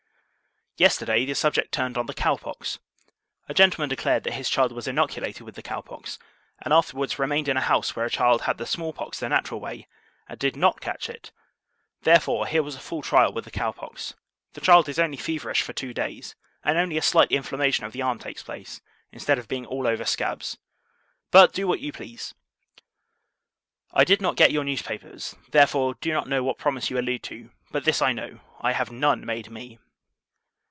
Yesterday, the subject turned on the cow pox. A gentleman declared, that his child was inoculated with the cow pox; and afterwards remained in a house where a child had the small pox the natural way, and did not catch it. Therefore, here was a full trial with the cow pox. The child is only feverish for two days; and only a slight inflammation of the arm takes place, instead of being all over scabs. But, do you what you please! I did not get your newspapers; therefore, do not know what promise you allude to: but this I know, I have none made me.